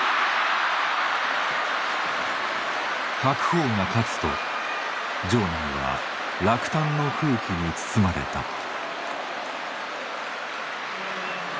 白鵬が勝つと場内は落胆の空気に包まれた。